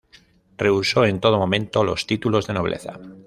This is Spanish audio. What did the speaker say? Rehusó en todo momento los títulos de nobleza.